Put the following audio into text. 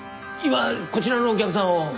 今こちらのお客さんを。